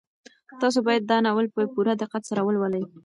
تاسو باید دا ناول په پوره دقت سره ولولئ.